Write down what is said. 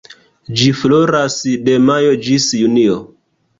Ĝi floras de majo ĝis junio.